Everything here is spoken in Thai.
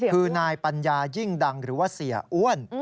คือนายปัญญายิ่งดังหรือว่าเสียอ้วน